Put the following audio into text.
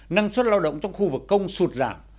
năng suất lao động trong khu vực công sụt giảm